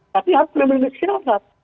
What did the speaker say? tapi harus meminati